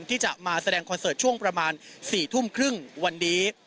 ที่จะมาแสดงคอนเสิร์ตช่วงประมาณ๔ทุ่มครึ่งวันนี้